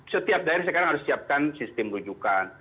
setiap daerah sekarang harus siapkan sistem rujukan